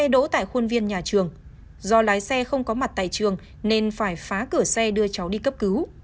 đỗ tại khuôn viên nhà trường do lái xe không có mặt tại trường nên phải phá cửa xe đưa cháu đi cấp cứu